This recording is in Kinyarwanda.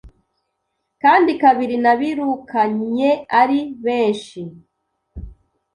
Kandi kabiri nabirukanye ari benshi